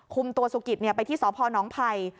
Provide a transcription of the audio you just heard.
กุมตัวสุกิตเนี่ยไปซอภน้องไผ่